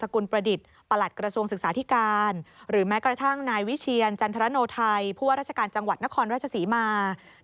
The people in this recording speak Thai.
ก็เป็นห่วงนะคะ